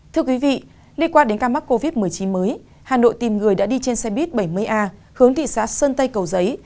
thưa quý vị liên quan đến ca mắc covid một mươi chín mới hà nội tìm người đã đi trên xe buýt bảy mươi a hướng thị xã sơn tây cầu giấy